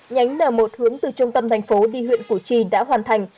nhánh n một hướng từ trung tâm thành phố đi huyện củ chi đã hoàn thành